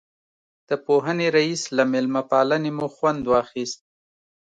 د پوهنې رئیس له مېلمه پالنې مو خوند واخیست.